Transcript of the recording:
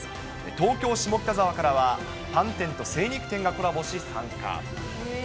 東京・下北沢からは、パン店と精肉店がコラボし参加。